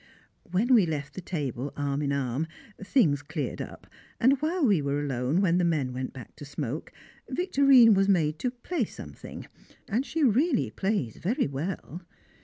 When we left the table, arm in arm, things cleared up, and, while we were alone when the men went back to smoke, Victorine was made to "play something," and she really plays very well.